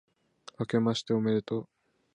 明けましておめでとう